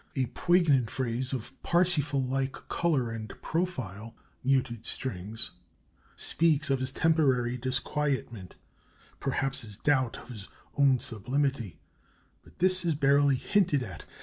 A poignant phrase, of "Parsifal" like color and profile (muted strings) speaks of his temporary disquietment perhaps his doubt of his own sublimity; but this is barely hinted at.